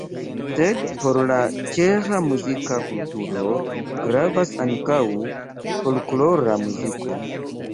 Sed por la ĉeĥa muzika kulturo gravas ankaŭ folklora muziko.